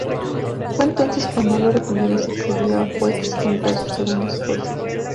Fue entonces cuando Álvaro I se exilió a Foix junto a su segunda esposa.